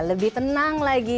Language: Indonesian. lebih tenang lagi